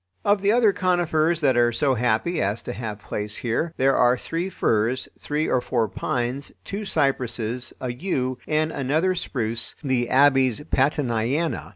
Of the other conifers that are so happy as to have place here, there are three firs, three or four pines, two cypresses, a yew, and another spruce, the Abies Pattoniana.